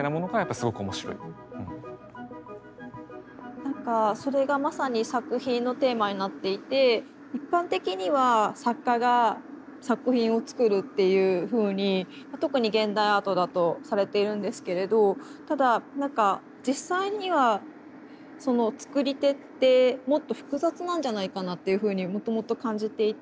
なんかそれがまさに作品のテーマになっていて一般的には作家が作品を作るっていうふうに特に現代アートだとされているんですけれどただなんかっていうふうにもともと感じていて。